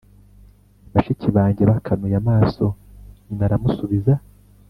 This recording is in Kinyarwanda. bashiki banjye bakanuye amaso!" Nyina aramusubiza